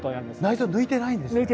内臓を抜いてないんですね。